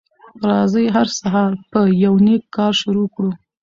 راځی هر سهار په یو نیک کار شروع کړو